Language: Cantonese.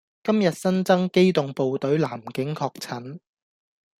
今日新增機動部隊男警確診